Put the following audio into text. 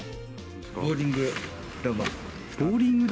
ボウリング玉。